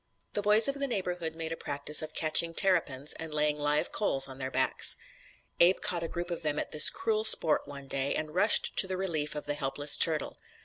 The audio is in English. The boys of the neighborhood made a practice of catching terrapins and laying live coals on their backs. Abe caught a group of them at this cruel sport one day, and rushed to the relief of the helpless turtle.